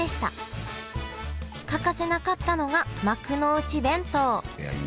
欠かせなかったのが幕の内弁当。